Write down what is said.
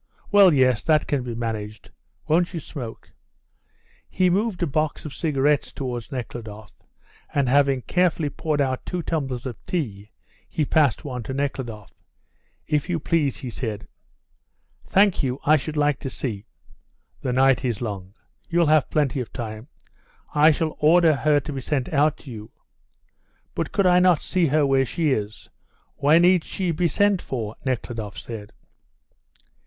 Well, yes, that can be managed. Won't you smoke?" He moved a box of cigarettes towards Nekhludoff, and, having carefully poured out two tumblers of tea, he passed one to Nekhludoff. "If you please," he said. "Thank you; I should like to see " "The night is long. You'll have plenty of time. I shall order her to be sent out to you." "But could I not see her where she is? Why need she be sent for?" Nekhludoff said.